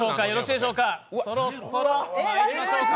そろそろまいりましょうか。